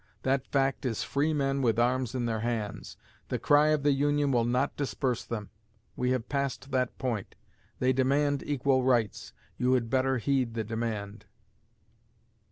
That fact is freemen with arms in their hands. The cry of the Union will not disperse them; we have passed that point. They demand equal rights; you had better heed the demand.